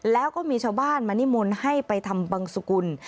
แล้วก็มีชาวบ้านมานิมนต์ให้ไปทำบังสุกุล